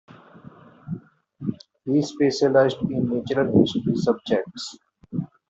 He specialised in natural history subjects.